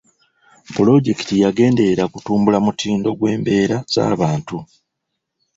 Pulojekiti yagenderera kutumbula mutindo gw'embeera z'abantu.